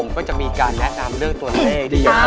ก็จะมีการแนะนำเลือกตัวในไอดีล่ะครับ